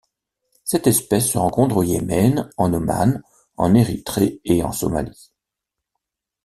Cette espèce se rencontre au Yémen, en Oman, en Érythrée et en Somalie.